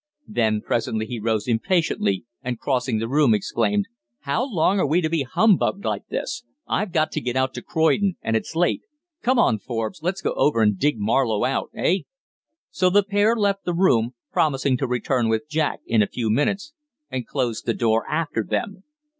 Then presently he rose impatiently, and, crossing the room, exclaimed "How long are we to be humbugged like this? I've got to get out to Croydon and it's late. Come on, Forbes. Let's go over and dig Marlowe out, eh?" So the pair left the room, promising to return with Jack in a few minutes, and closed the door after them.